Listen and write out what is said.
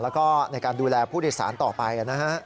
แล้วก็ในการดูแลผู้โดยสารต่อไปนะฮะ